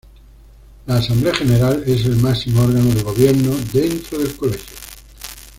La "Asamblea General" es el máximo órgano de gobierno dentro del Colegio.